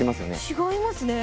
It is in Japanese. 違いますね。